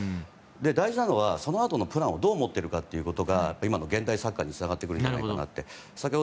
大事なのは、そのあとのプランをどう持っているかということが今の現代サッカーにつながってきていて。